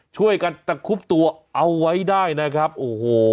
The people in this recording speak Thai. ช่วยกันตะคุบตัวเอาไว้ได้นะครับโอ้โห